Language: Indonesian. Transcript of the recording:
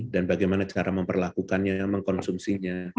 dan bagaimana cara memperlakukannya mengkonsumsinya